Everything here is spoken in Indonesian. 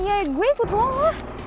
ya gue ikut doang lah